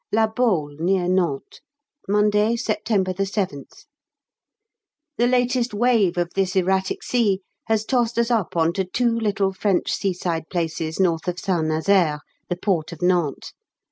LA BAULE, NEAR NANTES. Monday, September 7th. The latest wave of this erratic sea has tossed us up on to two little French seaside places north of St Nazaire, the port of Nantes.